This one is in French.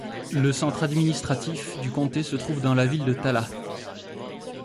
Le centre administratif du Comté se trouve dans la ville de Tallaght.